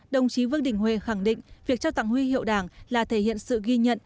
đồng chí vương đình huệ khẳng định việc trao tặng huy hiệu đảng là thể hiện sự ghi nhận